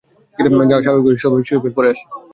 যা স্বাভাবিকভাবে শৈশবের পরে আসে।